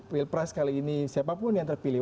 wheel price kali ini siapapun yang terpilih